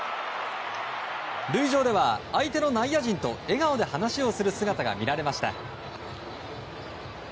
塁上では相手の内野陣と笑顔で話をする姿が見られました。